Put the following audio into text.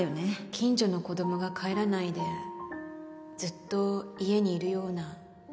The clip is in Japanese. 近所の子どもが帰らないでずっと家にいるような。